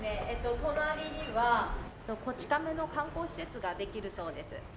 隣には『こち亀』の観光施設ができるそうです。